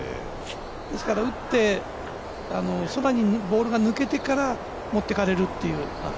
ですから、打ってそばにボールが抜けてから持ってかれるっていう。